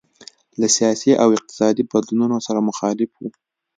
له سیاسي او اقتصادي بدلونونو سره مخالف وو.